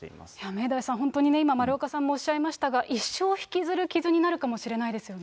明大さん、本当にね、今、丸岡さんもおっしゃいましたが、一生引きずる傷になるかもしれないですよね。